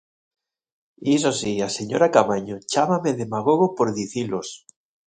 Iso si, a señora Caamaño chámame demagogo por dicilos.